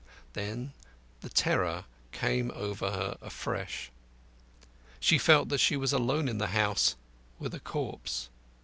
Then the terror came over her afresh. She felt that she was alone in the house with a corpse.